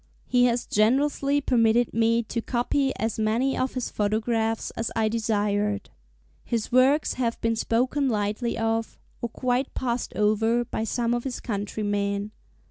He has generously permitted me to copy as many of his photographs as I desired. His works have been spoken lightly of, or quite passed over, by some of his countrymen.